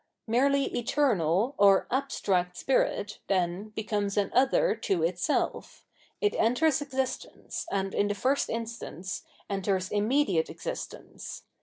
Merely eternal, or abstract Spirit, then, becomes an other to itself : it enters existence, and, in the first instance, enters immediate existence.